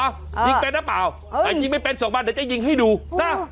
ยิงเป็นหรือเปล่าแต่ยิงไม่เป็นสองวันเดี๋ยวจะยิงให้ดูนะ